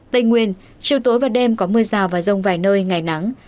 tây nguyên chiều tối và đêm có mưa rào và rông vài nơi ngày nắng